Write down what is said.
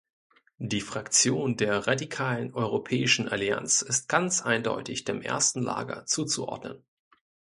Die Fraktion der Radikalen Europäischen Allianz ist ganz eindeutig dem ersten Lager zuzuordnen.